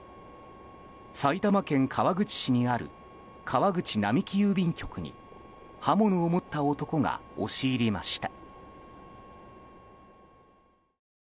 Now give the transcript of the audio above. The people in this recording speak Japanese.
埼玉県川口市にある川口並木郵便局に刃物を持った男が押し入りました。